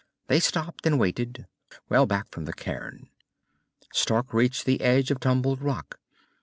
They stopped and waited, well back from the cairn. Stark reached the edge of tumbled rock.